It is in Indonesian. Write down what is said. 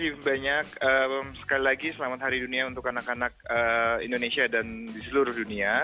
terima kasih banyak sekali lagi selamat hari dunia untuk anak anak indonesia dan di seluruh dunia